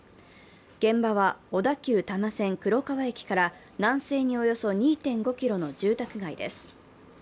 現場は小田急電鉄多摩線・黒川駅から南西におよそ２．５ｋｍの住宅街です。